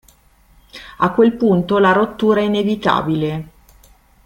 A quel punto la rottura è inevitabile.